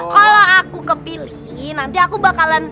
kalau aku kepilih nanti aku bakalan